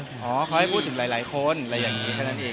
ขอให้พูดถึงหลายคนอะไรอย่างนี้แค่นั้นเอง